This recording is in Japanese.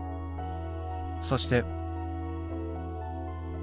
そして。